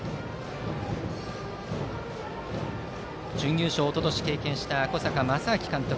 準優勝をおととし経験した小坂将商監督。